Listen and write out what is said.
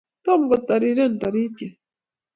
Tomo kotariren tariet